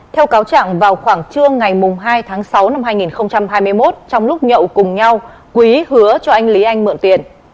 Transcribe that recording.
theo cáo trạng vào khoảng trưa ngày hai tháng sáu năm hai nghìn hai mươi một trong lúc nhậu cùng nhau quý hứa cho anh lý anh mượn tiền